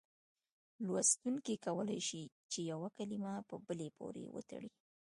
لوستونکی کولای شي چې یوه کلمه په بلې پورې وتړي.